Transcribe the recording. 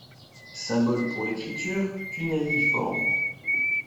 Symboles pour l'écriture cunéiforme.